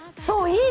そう。